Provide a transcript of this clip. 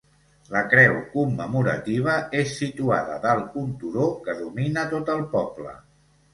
La creu commemorativa és situada dalt un turó que domina tot el poble.